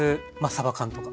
サバ缶とか。